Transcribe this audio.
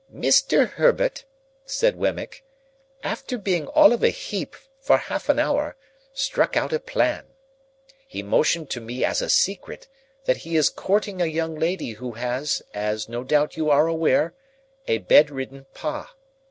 "Mr. Herbert," said Wemmick, "after being all of a heap for half an hour, struck out a plan. He mentioned to me as a secret, that he is courting a young lady who has, as no doubt you are aware, a bedridden Pa.